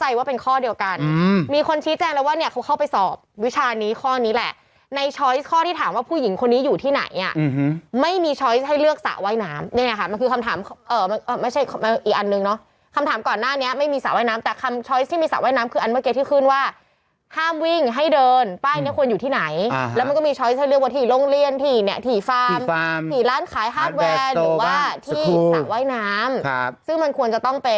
อืมสารปัจจุบันนี้เป็นสารที่ตอนนั้นมีตำรวจคนหนึ่งชื่อพลเอกเอ่อพันตำรวจ